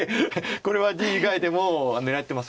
これは地以外でも狙ってます